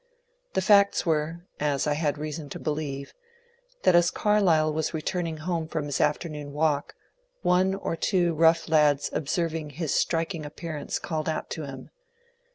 The facts were, as I had reason to believe, that as Carlyle was return ing home from his afternoon walk, one or two rough lads observing his striking appearance called out to him.